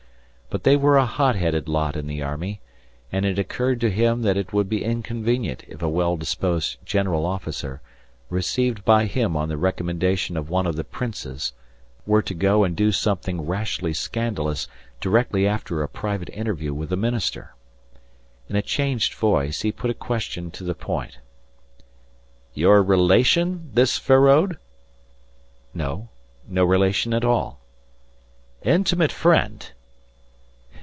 But they were a hot headed lot in the army, and it occurred to him that it would be inconvenient if a well disposed general officer, received by him on the recommendation of one of the princes, were to go and do something rashly scandalous directly after a private interview with the minister. In a changed voice he put a question to the point: "Your relation this Feraud?" "No. No relation at all." "Intimate friend?"